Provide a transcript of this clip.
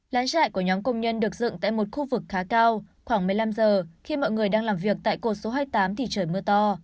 lán trại của nhóm công nhân được dựng tại một khu vực khá cao khoảng một mươi năm giờ khi mọi người đang làm việc tại cột số hai mươi tám thì trời mưa to